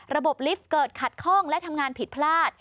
ลิฟต์เกิดขัดข้องและทำงานผิดพลาด